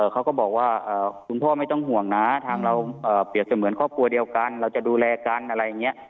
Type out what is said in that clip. เขาก็บอกว่าคุณพ่อไม่ต้องห่วงนะทางเราเปรียบเสมือนครอบครัวเดียวกันเราจะดูแลกันอะไรอย่างนี้